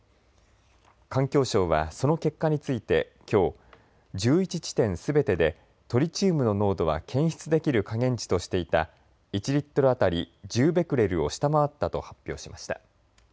環境省はその結果についてきょう１１地点すべてでトリチウムの濃度は検出できる下限値としていた１リットル当たり１０ベクレルを下回ったと発表しました。